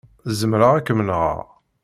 Zemreɣ ad kem-nɣeɣ.